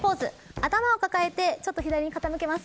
頭を抱えてちょっと左に傾けます。